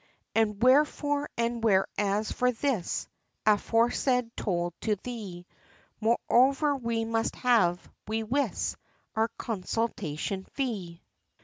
And wherefore, and whereas for this, Aforesaid, told to thee, Moreover, we must have, we wis, Our consultation fee.